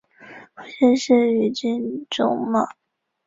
父亲是宇津忠茂。